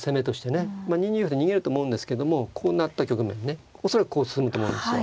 ２二玉で逃げると思うんですけどもこうなった局面ね恐らくこう進むと思うんですよ。